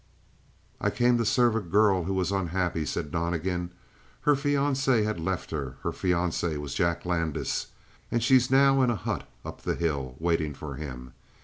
"I came to serve a girl who was unhappy," said Donnegan. "Her fiancé had left her; her fiancé was Jack Landis. And she's now in a hut up the hill waiting for him.